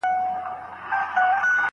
د کارګه په مخ کي وکړې ډیري غوري